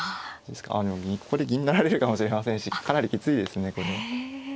あでもここで銀成られるかもしれませんしかなりきついですねこれ。